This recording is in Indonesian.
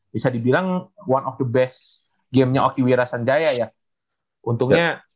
bisa dibilang one of the best game nya oki wira sanjaya ya